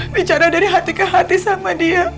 bicara dari hati ke hati sama dia